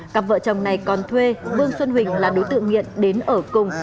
cặp vợ chồng này còn thuê vương xuân huỳnh là đối tượng nghiện đến ở cùng